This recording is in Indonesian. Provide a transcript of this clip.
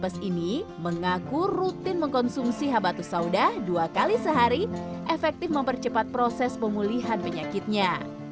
pembebas ini mengaku rutin mengkonsumsi habatus sauda dua kali sehari efektif mempercepat proses pemulihan penyakitnya